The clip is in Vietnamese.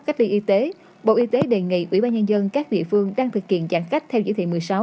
cách ly y tế bộ y tế đề nghị ủy ban nhân dân các địa phương đang thực hiện giãn cách theo dự thị